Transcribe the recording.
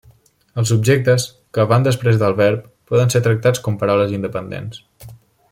Els objectes, que van després del verb, poden ser tractats com paraules independents.